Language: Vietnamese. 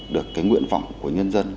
được cái nguyện vọng của nhân dân